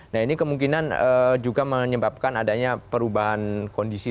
nah ini kemungkinan juga menyebabkan adanya perubahan kondisi